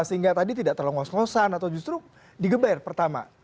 sehingga tadi tidak terlengos ngosan atau justru digeber pertama